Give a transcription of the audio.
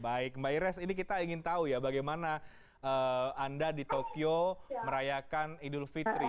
baik mbak ires ini kita ingin tahu ya bagaimana anda di tokyo merayakan idul fitri